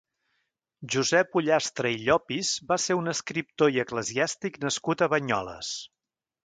Josep Ullastre i Llopis va ser un escriptor i eclesiàstic nascut a Banyoles.